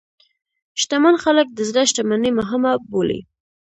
شتمن خلک د زړه شتمني مهمه بولي.